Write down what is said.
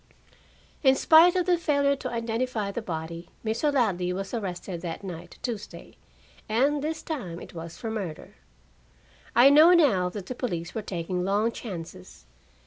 In spite of the failure to identify the body, Mr. Ladley was arrested that night, Tuesday, and this time it was for murder. I know now that the police were taking long chances.